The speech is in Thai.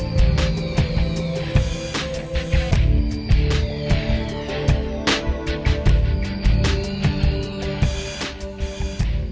โปรดติดตามตอนต่อไป